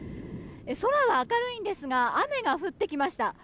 空は明るいんですが雨が降ってきました。